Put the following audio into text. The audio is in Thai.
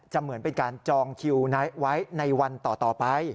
เหมือนเป็นการจองคิวไว้ในวันต่อไป